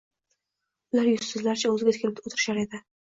Ular yuzsizlarcha o`ziga tikilib o`tirishar edi